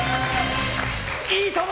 「いいとも！」。